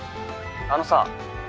あのさ。